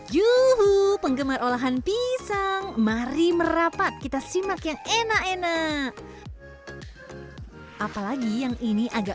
juhu penggemar olahan pisang mari merapat kita simak yang enak enak apalagi yang ini agak